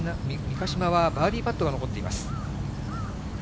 三ヶ島はバーディーパットが残っています。